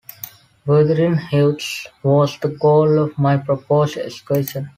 Wuthering Heights was the goal of my proposed excursion.